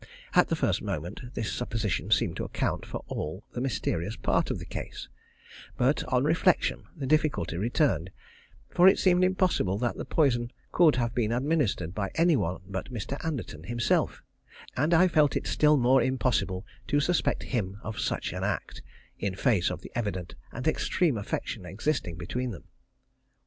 At the first moment this supposition seemed to account for all the mysterious part of the case; but on reflection the difficulty returned, for it seemed impossible that the poison could have been administered by any one but Mr. Anderton himself, and I felt it still more impossible to suspect him of such an act, in face of the evident and extreme affection existing between them.